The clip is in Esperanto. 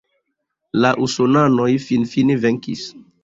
La usonanoj finfine venkis.